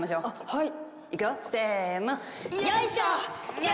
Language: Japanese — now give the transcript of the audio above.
はい！